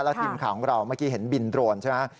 และคลิปของของเราเมื่อกี้เห็นบินโดรนใช่ไหมฮะ